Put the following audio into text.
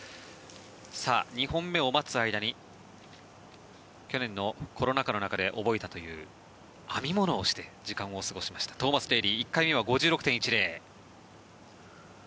２本目を待つ間に去年のコロナ禍の中で覚えたという編み物をして時間を過ごしましたトーマス・デーリー１回目は５６．１０。